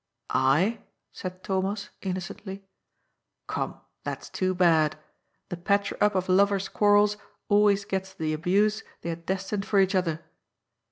" I ?" said Thomas innocently. Come, that's too bad. The patcher up of lovers' quarrels always gets the abuse they had destined for each other.